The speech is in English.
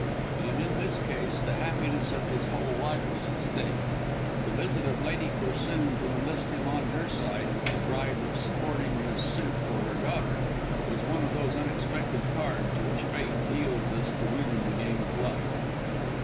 And in this case the happiness of his whole life was at stake. The visit of Lady Corsoon to enlist him on her side with the bribe of supporting his suit for her daughter was one of those unexpected cards which Fate deals us to win in the game of life.